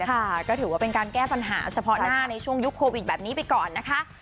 ค่ะก็ถือว่าเป็นการแก้ปัญหาเฉพาะหน้าในช่วงยุคโควิดแบบนี้ไปก่อนนะคะ